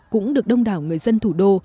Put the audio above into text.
cũng được đông đảo người dân thủ đô